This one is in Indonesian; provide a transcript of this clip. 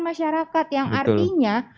masyarakat yang artinya